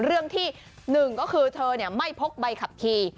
เรื่องที่หนึ่งก็คือเธอเนี่ยไม่พกใบขับขี่